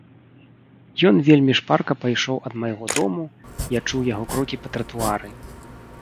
Ён вельмі шпарка пайшоў ад майго дому, я чуў яго крокі па тратуары.